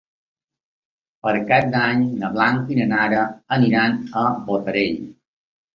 Per Cap d'Any na Blanca i na Nara aniran a Botarell.